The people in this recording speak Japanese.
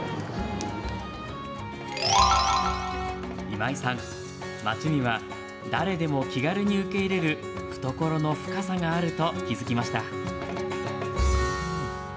今井さん、町には誰でも気軽に受け入れる懐の深さがあると気付きました。